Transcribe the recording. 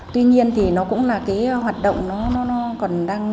tuy nhiên nó cũng là hoạt động còn đang